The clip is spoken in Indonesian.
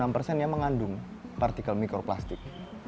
tujuh puluh enam persennya mengandung partikel mikroplastik